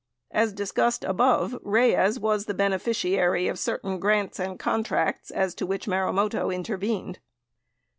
(As discussed above, Reyes was the beneficiary of certain grants and contracts as to which Marumoto intervened.)